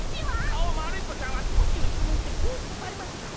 「かおまるいこちゃんはすこしうつむいてこうこたえました。